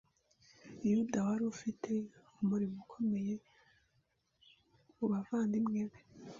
Yuda wari ufite umurimo ukomeye mu bavandimwe be